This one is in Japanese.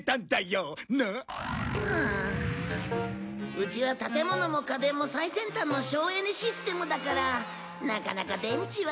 うちは建物も家電も最先端の省エネシステムだからなかなか電池は。